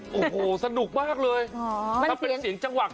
กริ๊กโอ้โหสนุกมากเลยมันเป็นเสียงจังหวัง